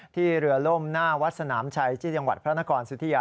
เรือล่มหน้าวัดสนามชัยที่จังหวัดพระนครสุธิยา